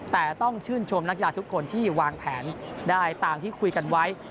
แต่ต้องชื่นชมนักกีฬาทุกคนที่วางแผนได้ตามที่คุยกันไว้